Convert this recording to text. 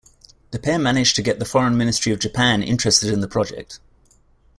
The pair managed to get the Foreign Ministry of Japan interested in the project.